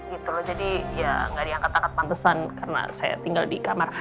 gitu loh jadi ya nggak diangkat angkat pantesan karena saya tinggal di kamar